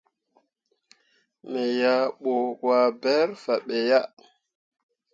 Me yah bu waaberre fah be yah.